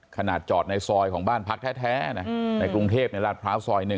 จอดในซอยของบ้านพักแท้ในกรุงเทพในราชพร้าวซอย๑